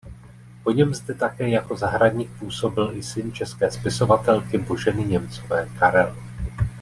Po něm zde také jako zahradník působil i syn české spisovatelky Boženy Němcové Karel.